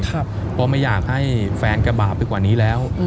เพราะไม่อยากให้แฟนกระบาปไปกว่านี้แล้ว